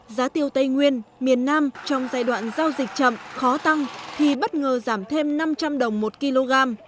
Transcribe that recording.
giá tiêu tây nguyên miền nam trong giai đoạn giao dịch chậm khó tăng thì bất ngờ giảm thêm năm trăm linh đồng một kg